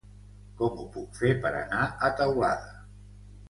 Com ho puc fer per anar a Teulada?